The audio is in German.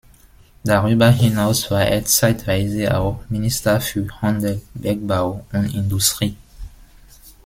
Darüber hinaus war er zeitweise auch Minister für Handel, Bergbau und Industrie.